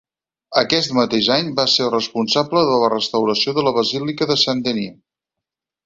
Aquest mateix any va ser el responsable de la restauració de la Basílica de Saint-Denis.